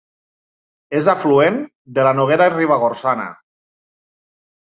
És afluent de la Noguera Ribagorçana.